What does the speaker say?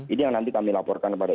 ini yang nanti kami laporkan kepada